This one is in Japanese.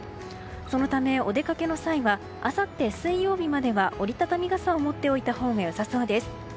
そのためお出かけの際はあさって水曜日までは折り畳み傘を持っておいたほうが良さそうです。